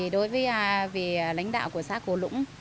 đối với lãnh đạo của xã cổ lũng